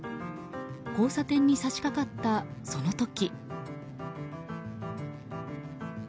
交差点に差し掛かった、その時。